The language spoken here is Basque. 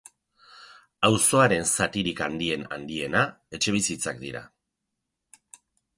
Auzoaren zatirik handien-handiena etxebizitzak dira.